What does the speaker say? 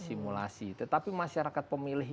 simulasi tetapi masyarakat pemilih